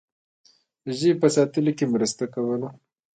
د ژبې په ساتلو کې مرسته کوله.